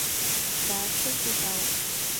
Даасылҵит ауп.